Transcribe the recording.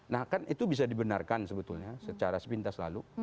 nah kan itu bisa dibenarkan sebetulnya secara sepintas lalu